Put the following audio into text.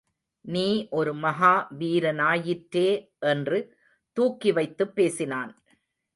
நீ ஒரு மகா வீரனாயிற்றே என்று தூக்கிவைத்துப் பேசினான்.